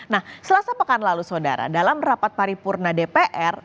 nah selasa pekan lalu saudara dalam rapat paripurna dpr